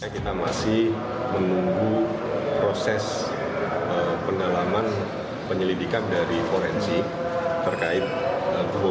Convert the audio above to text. pemijatan pemijatan secara berkala